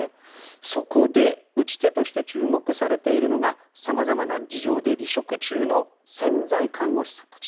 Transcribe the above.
そこで、打ち手として注目されているのが様々な事情で離職中の潜在看護師さんたち。